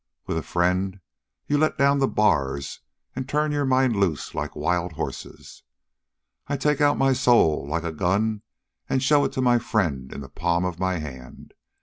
With a friend you let down the bars and turn your mind loose like wild hosses. I take out my soul like a gun and show it to my friend in the palm of my hand.